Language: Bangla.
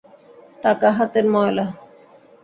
টাকা হাতের ময়লা!